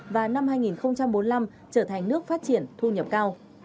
và năm hai nghìn bốn mươi năm trở thành nước phát triển thu nhập cao